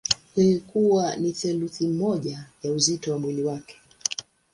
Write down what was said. Ilikuwa ni theluthi moja ya uzito wa mwili wake.